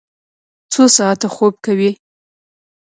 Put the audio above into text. څو ساعته خوب کوئ؟